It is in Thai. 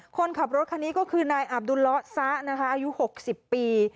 คนขับรถคันนี้ก็คือนายอับดุลละซะนะคะอายุ๖๐ปี